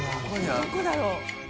どこだろう？